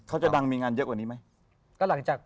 เค้าจะดังมีงานเยอะแรงไหม